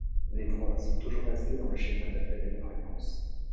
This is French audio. Les voix sont toujours restées dans le schéma d’appel et de réponse.